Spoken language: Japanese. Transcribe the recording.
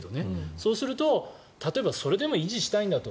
そうすると、例えばそれでも維持したいんだと。